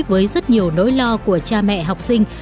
với rất nhiều nỗi lo của cha mẹ học sinh